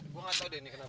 gue gak tau deh ini kenapa